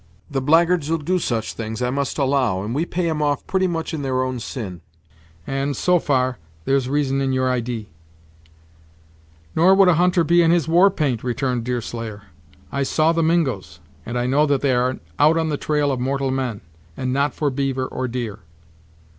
"The blackguards will do such things, I must allow; and we pay 'em off pretty much in their own c'ine. Women would not be on the war path, sartainly; and, so far, there's reason in your idee." "Nor would a hunter be in his war paint," returned Deerslayer. "I saw the Mingos, and know that they are out on the trail of mortal men; and not for beaver or deer."